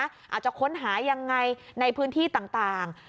อาจจะค้นหายังไงในพื้นที่ต่าง